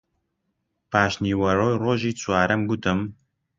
پاش نیوەڕۆی ڕۆژی چوارەم گوتم: